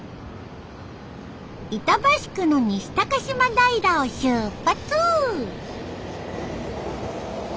板橋区の西高島平を出発！